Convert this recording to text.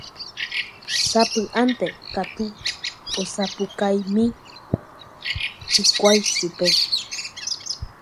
Sapy'ánte katu osapukáimi hikuái chupe